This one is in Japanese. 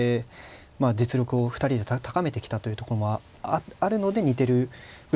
実力を２人で高めてきたというところもあるので似てる部分もあるんでしょうね。